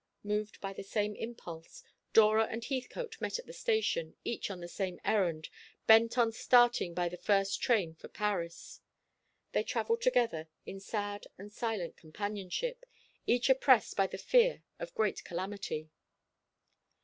Moved by the same impulse, Dora and Heathcote met at the station, each on the same errand, bent on starting by the first train for Paris. They travelled together in sad and silent companionship, each oppressed by the fear of a great calamity.